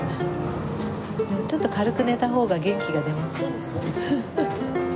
でもちょっと軽く寝た方が元気が出ますよね。